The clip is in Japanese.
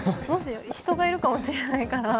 人がいるかもしれないから。